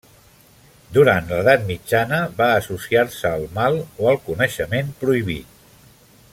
Durant l'edat mitjana va associar-se al mal o al coneixement prohibit.